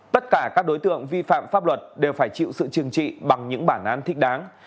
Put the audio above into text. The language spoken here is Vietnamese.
tất cả các đối tượng vi phạm pháp luật đều phải chịu sự trừng trị bằng những bản án thích đáng